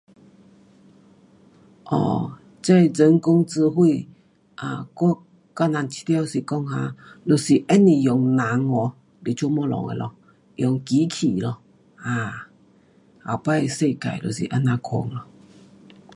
um 这人工智慧，um 我个人觉得是讲哈，就是不是用人 um 来做东西咯，是用机器咯，um 后次世界就是这样咯。